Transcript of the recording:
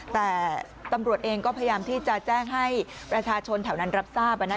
แต่ตำรวจเองก็พยายามที่จะแจ้งให้ประชาชนแถวนั้นรับทราบ